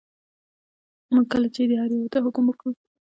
موږ کله چې هر یوه ته حکم وکړو.